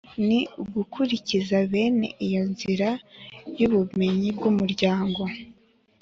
ni ugukurikiza bene iyo nzira y’ubumenyi bw’imiryango,